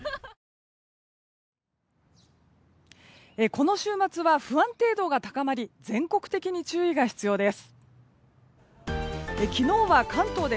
この週末は不安定度が高まり全国的に注意が必要です。